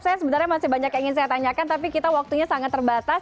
saya sebenarnya masih banyak yang ingin saya tanyakan tapi kita waktunya sangat terbatas